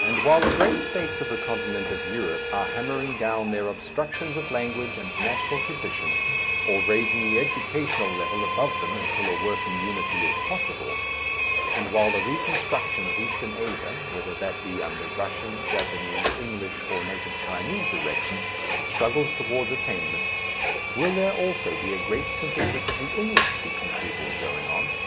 And while the great states of the continent of Europe are hammering down their obstructions of language and national tradition or raising the educational level above them until a working unity is possible, and while the reconstruction of Eastern Asia whether that be under Russian, Japanese, English, or native Chinese direction struggles towards attainment, will there also be a great synthesis of the English speaking peoples going on?